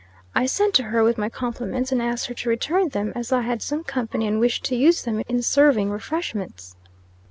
I sent to her, with my compliments, and asked her to return them, as I had some company, and wished to use them in serving refreshments.